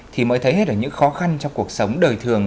thì mới thấy hết được những khó khăn trong cuộc sống đời thường